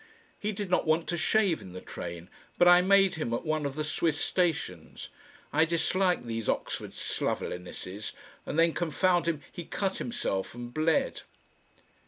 He did not want to shave in the train, but I made him at one of the Swiss stations I dislike these Oxford slovenlinesses and then confound him! he cut himself and bled....